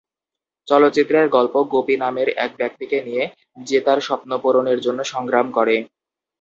চলচ্চিত্রের গল্প গোপী নামের এক ব্যক্তিকে নিয়ে, যে তার স্বপ্ন পূরণের জন্য সংগ্রাম করে।